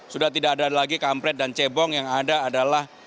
sudah tidak ada lagi kampret dan cebong yang ada adalah